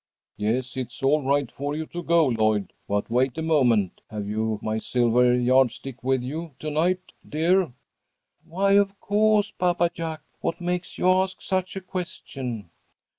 "Yes, it's all right for you to go, Lloyd, but wait a moment. Have you my silver yardstick with you to night, dear?" "Why of co'se, Papa Jack. What makes you ask such a question?"